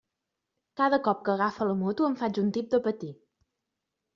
Cada cop que agafa la moto em faig un tip de patir.